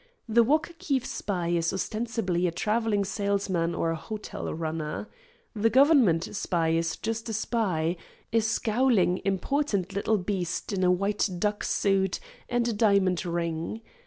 The Walker Keefe spy is ostensibly a travelling salesman or hotel runner. The Government spy is just a spy a scowling, important little beast in a white duck suit and a diamond ring.